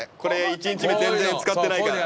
１日目全然使ってないから。